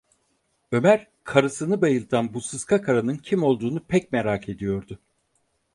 Ömer karısını bayıltan bu sıska karının kim olduğunu pek merak ediyordu.